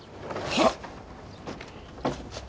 はっ！